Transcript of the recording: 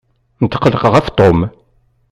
Netqelleq ɣef Tom.